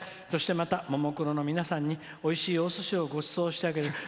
そして、またももクロの皆さんにおいしいおすしをごちそうしてあげる」。